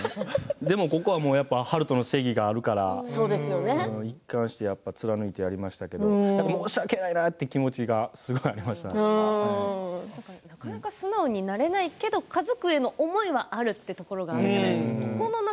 でも悠人の正義があるから一貫して貫いてやりましたけど申し訳ないなという気持ちがなかなか素直になれないけど家族への思いがあるというところあるじゃないですか。